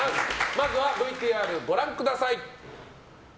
まずはＶＴＲご覧ください。